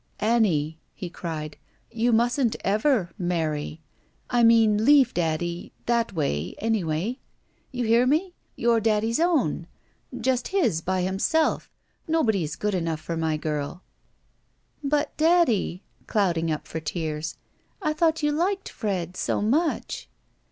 Annie," he cried, "you mustn't ever — many. I mean, leave daddy — ^that way — anyway. You hear me? You're daddy's own. Just his by him self. Nobody is good enough for my girl." "But, daddy," clouding up for tears, "I thought you liked Fred so much!"